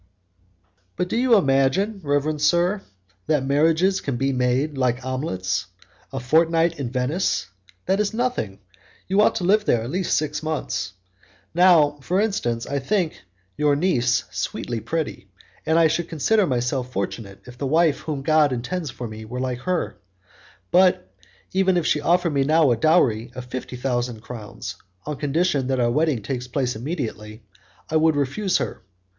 "But do you imagine, reverend sir, that marriages can be made like omelets? A fortnight in Venice, that is nothing; you ought to live there at least six months. Now, for instance, I think your niece sweetly pretty, and I should consider myself fortunate if the wife whom God intends for me were like her, but, even if she offered me now a dowry of fifty thousand crowns on condition that our wedding takes place immediately, I would refuse her.